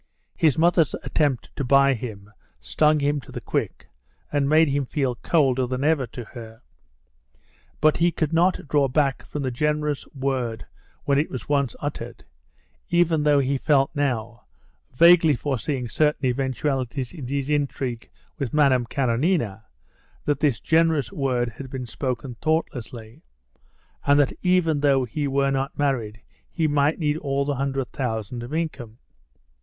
His mother's attempt to buy him stung him to the quick and made him feel colder than ever to her. But he could not draw back from the generous word when it was once uttered, even though he felt now, vaguely foreseeing certain eventualities in his intrigue with Madame Karenina, that this generous word had been spoken thoughtlessly, and that even though he were not married he might need all the hundred thousand of income.